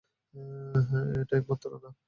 এটাই একমাত্র না।